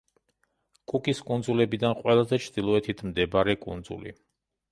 კუკის კუნძულებიდან ყველაზე ჩრდილოეთით მდებარე კუნძული.